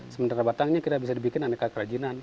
sementara batangnya kita bisa dibikin aneka kerajinan